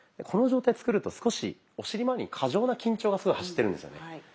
この状態つくると少しお尻まわりに過剰な緊張が走ってるんですよね。